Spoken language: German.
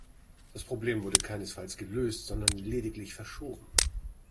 Das Problem wurde keinesfalls gelöst, sondern lediglich verschoben.